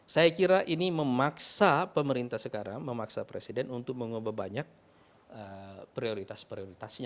saya kira ini memaksa pemerintah sekarang memaksa presiden untuk mengubah banyak prioritas prioritasnya